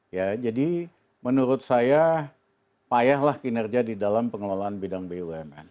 ya jadi menurut saya payahlah kinerja di dalam pengelolaan bidang bumn